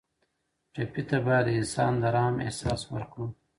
ټپي ته باید د انسان د رحم احساس ورکړو.